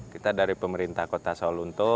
kita dari pemerintah kota sawah lunto